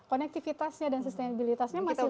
konektivitasnya dan sustainabilitasnya masih bagus